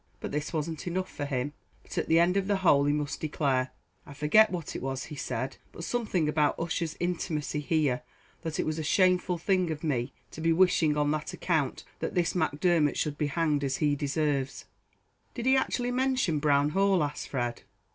But this wasn't enough for him, but at the end of the whole he must declare I forget what it was he said but something about Ussher's intimacy here that it was a shameful thing of me to be wishing on that account that this Macdermot should be hanged, as he deserves." "Did he actually mention Brown Hall?" asked Fred.